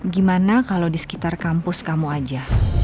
gimana kalau di sekitar kampus kamu aja